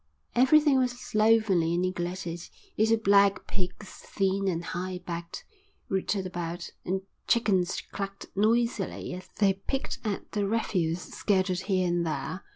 Everything was slovenly and neglected. Little black pigs, thin and high backed, rooted about, and chickens clucked noisily as they picked at the refuse scattered here and there.